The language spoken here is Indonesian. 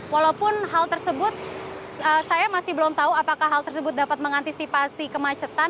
walaupun hal tersebut saya masih belum tahu apakah hal tersebut dapat mengantisipasi kemacetan